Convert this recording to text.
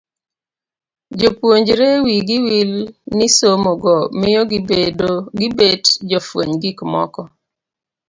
Jopuonjre wi gi wil ni somo go miyo gibet jofweny gik moko.